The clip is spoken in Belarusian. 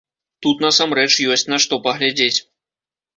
Тут насамрэч ёсць на што паглядзець.